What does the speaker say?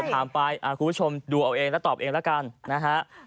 ถามไปคุณผู้ชมดูเอาเองแล้วตอบเองแล้วกันนะฮะ